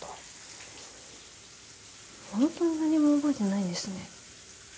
ホントに何も覚えてないんですね。